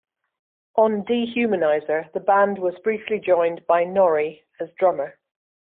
On "Dehumanizer" the band was briefly joined by Norri as drummer.